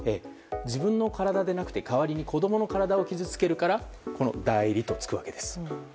自分の体でなくて代わりに子供の体を傷つけるから代理とつくんです。